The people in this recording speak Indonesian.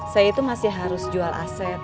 saya itu masih harus jual aset